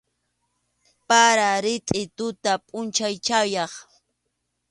Para, ritʼi tuta pʼunchaw chayaq.